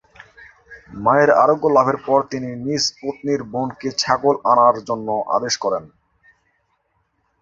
মায়ের আরোগ্য লাভের পর তিনি নিজ পত্নীর বোনকে ছাগল আনার জন্য আদেশ করেন।